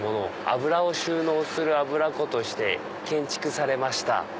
「油を収納する油庫として建築されました」。